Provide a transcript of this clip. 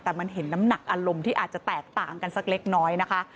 แต่มันเห็นน้ำหนักอารมณ์ที่อาจจะแตกต่างกันสักเล็กน้อยนะคะ